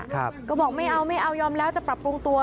ก็บอกไม่เอาไม่เอายอมแล้วจะปรับปรุงตัว